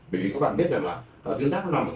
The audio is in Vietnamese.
bởi vì các bạn biết rằng là tuyến giáp nó nằm ở vùng bộ